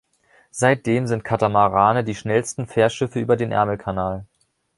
Seitdem sind Katamarane die schnellsten Fährschiffe über den Ärmelkanal.